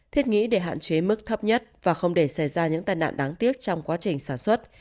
thiết nghĩ để hạn chế mức thấp nhất và không để xảy ra những tai nạn đáng tiếc trong quá trình sản xuất